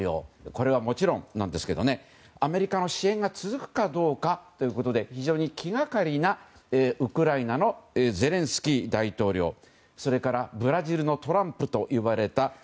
これはもちろんなんですけどアメリカの支援が続くかどうかということで非常に気がかりなウクライナのゼレンスキー大統領それからブラジルのトランプと呼ばれた